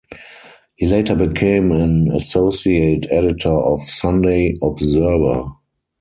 He later became an associate editor of "Sunday Observer".